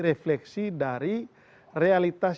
refleksi dari realitas